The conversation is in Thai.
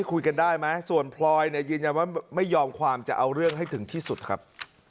คุยกันได้ไหมส่วนพลอยเนี่ยยืนยันว่าไม่ยอมความจะเอาเรื่องให้ถึงที่สุดครับ